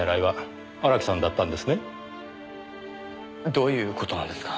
どういう事なんですか？